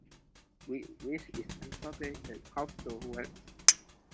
With Which Is Incorporated Household Words.